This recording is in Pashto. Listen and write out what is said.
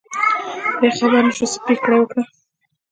بیا خبر نشو، څه پرېکړه یې وکړه.